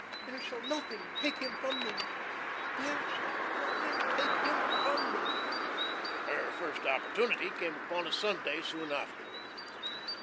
There shall nothing take me from him; there shall nothing take him from me." Her first opportunity came upon a Sunday soon afterward.